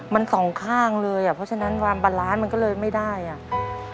มันสองข้างเลยอ่ะเพราะฉะนั้นความบาลานซ์มันก็เลยไม่ได้อ่ะ